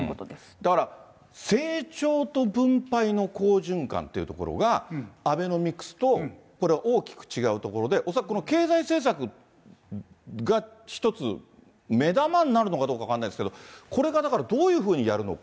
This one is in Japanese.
だから、成長と分配の好循環っていうところが、アベノミクスとこれ、大きく違うところで、恐らくこの経済政策が１つ、目玉になるのかどうか分からないですけど、これがだからどういうふうにやるのか。